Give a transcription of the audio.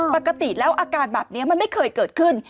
ปกติแล้วอาการแบบนี้มันไม่เคยเกิดขึ้น